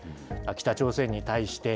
北朝鮮に対して、